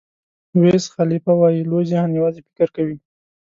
ویز خالیفه وایي لوی ذهن یوازې فکر کوي.